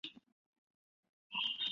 全程为西至东单行线。